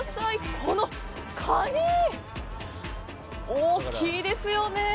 このカニ！大きいですよね。